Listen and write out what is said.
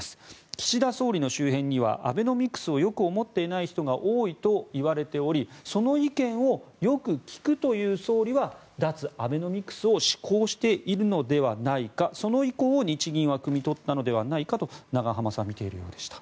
岸田総理の周辺にはアベノミクスをよく思っていない人が多いといわれておりその意見をよく聞くという総理は脱アベノミクスを志向しているのではないかその意向を日銀はくみ取ったのではないかと永濱さんは見ているようでした。